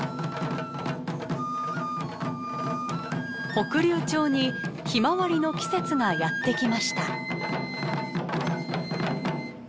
北竜町にひまわりの季節がやってきました。